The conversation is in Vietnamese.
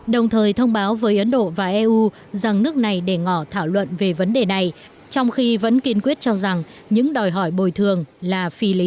đồng thời thông báo với ấn độ và eu rằng nước này để ngỏ thảo luận về vấn đề này trong khi vẫn kiên quyết cho rằng những đòi hỏi bồi thường là phi lý